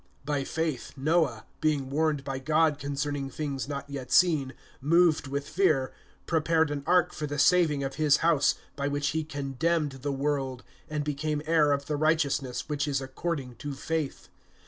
(7)By faith Noah, being warned by God concerning things not yet seen, moved with fear, prepared an ark for the saving of his house; by which he condemned the world, and became heir of the righteousness which is according to faith.